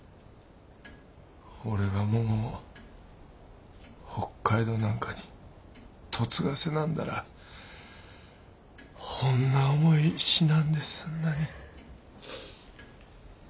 俺がももを北海道なんかに嫁がせなんだらほんな思いしなんで済んだに。